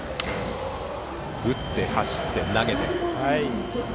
打って、走って、投げて。